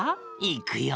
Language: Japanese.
いくよ！